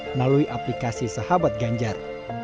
melalui aplikasi sahabat ganjar